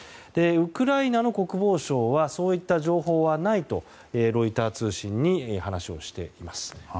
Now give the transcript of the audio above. ウクライナの国防省はそういった情報はないとロイター通信に話をしています。